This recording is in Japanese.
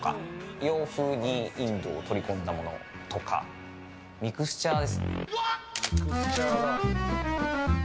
洋風にインドを取り込んだものとかミクスチャーですね。